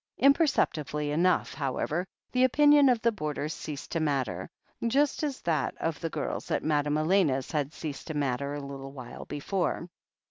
Imperceptibly enough, however, the opinion of the boarders ceased to matter, just as that of the girls at THE HEEL OF ACHILLES 241 Madame Elena's had ceased to matter, a little while before.